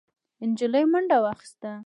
نجلۍ منډه واخيسته.